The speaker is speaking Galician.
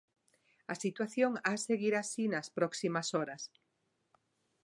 A situación ha seguir así nas próximas horas.